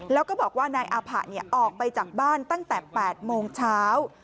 แล้วก็บอกว่านายอาผะออกไปจากบ้านตั้งแต่๘โมงเช้า